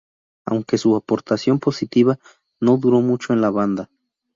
Aunque su aportación positiva, no duró mucho en la banda.